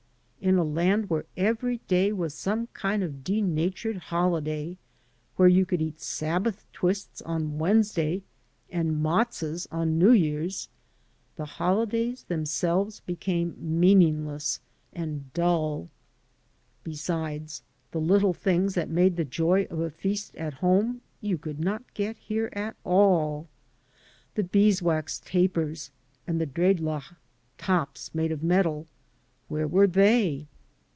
In a land where every day was some kind of a denatured holiday — where you could eat Sabbath twists on Wednesday, and matzoths on New Year's — ^the holidays themselves became mean ingless and dull. Besides, the little things that made the joy of a feast at home you could not get here at all. The bee's wax tapers and the drecUach ("tops" made of metal), where were they?